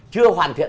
chưa hoàn thiện